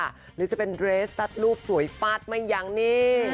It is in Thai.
หรือจะเป็นเรสซัดรูปสวยฟาดไม่ยั้งนี่